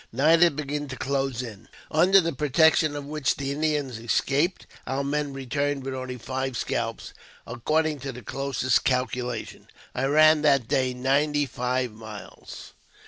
Night had begun to close in, under the protection of which the Indians escaped; our men returned with only five scalps. According to the closest calculation, I ran that day ninety five miles.